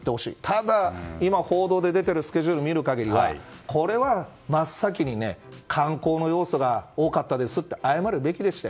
ただ、今報道で出ているスケジュール見る限りはこれは真っ先に観光の要素が多かったと謝るべきですよ。